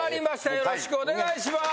よろしくお願いします。